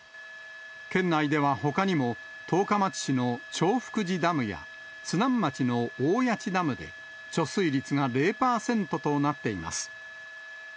県内ではほかにも十日町市の長福寺ダムや、津南町の大谷内ダムで、貯水率が０％となっています。